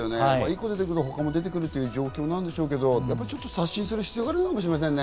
１個出てくると他も出てくるという状況なんでしょうけど、刷新する必要があるかもしれませんね。